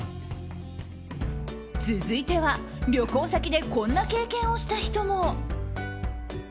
続いては旅行先でこんな経験をした人も。